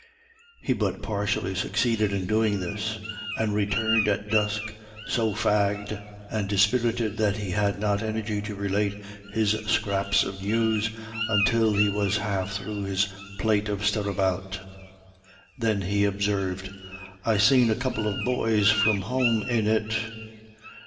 He but partially succeeded in doing this, and returned at dusk so fagged and dispirited that he had not energy to relate his scraps of news until he was half through his plate of stirabout. Then he observed "I seen a couple of boys from home in it."